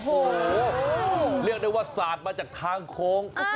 โอ้โหเรียกได้ว่าสาดมาจากทางโค้ง